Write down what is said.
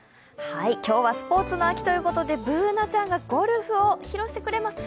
今日はスポーツの秋ということでＢｏｏｎａちゃんがゴルフを披露してくれます。